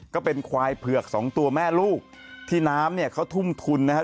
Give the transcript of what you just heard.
ก็เป็นควายเผือกสองตัวแม่ลูกที่น้ำเนี่ยเขาทุ่มทุนนะครับ